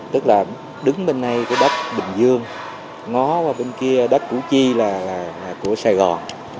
tức là đứng bên nay cái đất bình dương ngó qua bên kia đất củ chi là của sài gòn